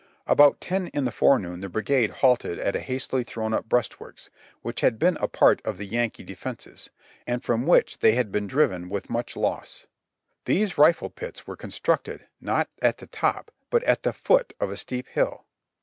About ten in the forenoon the brigade halted at a hastily thrown up breast works which had been a part of the Yankee defenses, and from Vv^hich they had been driven with much loss. These rifle pits were constructed, not at the top, but at the foot of a steep hill.